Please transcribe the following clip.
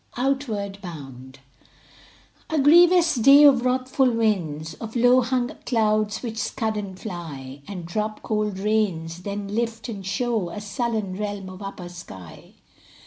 OUTWARD BOUND, A grievous day of wrathful winds, Of low hung clouds, which scud and fly, And drop cold rains, then lift and show A sullen realm of upper sky.